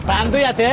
apaan tuh ya de